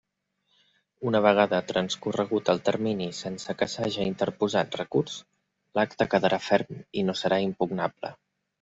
Una vegada transcorregut el termini sense que s'haja interposat recurs, l'acte quedarà ferm i no serà impugnable.